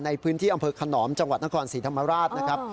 ในพื้นที่อำเภอขนอมจังหวัดนครศรีธรรมราชนะครับ